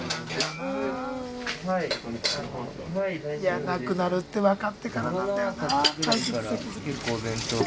いやなくなるってわかってからなんだよな。